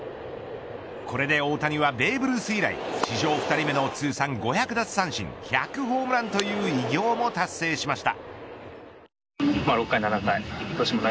これで大谷はベーブ・ルース以来史上２人目の通算５００奪三振１００ホームランという偉業も達成しました。